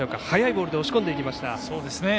速いボールで押し込んでいきました。